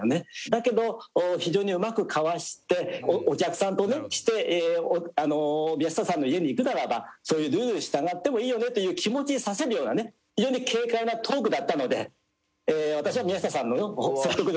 だけど非常にうまくかわしてお客さんとして宮下さんの家に行くならばそういうルール従ってもいいよねという気持ちにさせるようなね非常に軽快なトークだったので私は宮下さんの方が説得力あるなと思いました。